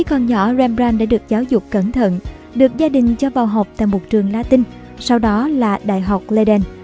còn nhỏ rembrandt đã được giáo dục cẩn thận được gia đình cho vào học tại một trường latin sau đó là đại học leiden